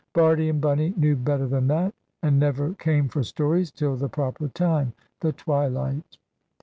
Bardie and Bunny knew better than that, and never came for stories, till the proper time the twilight.